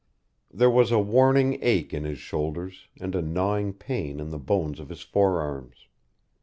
There was a warning ache in his shoulders and a gnawing pain in the bones of his forearms.